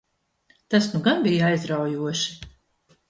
Tas nu gan bija aizraujoši!